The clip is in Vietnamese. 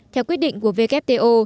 theo quyết định của vkto